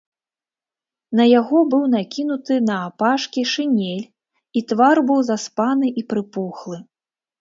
На яго быў накінуты наапашкі шынель, і твар быў заспаны і прыпухлы.